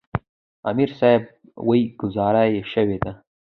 امیر صېب وې " ګذاره ئې شوې ده ـ